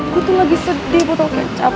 gue tuh lagi sedih botol kecap